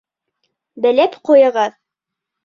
Белеп ҡуйығыҙ!